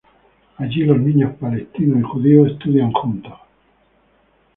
Allí los niños palestinos y judíos estudian juntos.